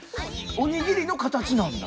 おにぎりのカタチなんだ。